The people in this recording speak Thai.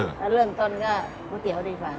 แล้วเริ่มต้นก็ก๋วยเตี๋ยวดีกว่า